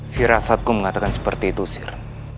firasatku mengatakan seperti itu sir